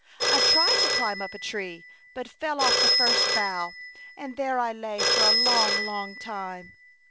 I tried to climb up a tree, but fell off the first bough, and there I lay for a long, long time.